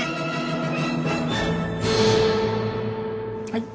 はい。